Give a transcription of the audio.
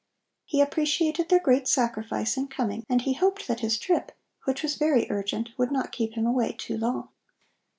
He appreciated their great sacrifice in coming and he hoped that his trip, which was very urgent, would not keep him away too long.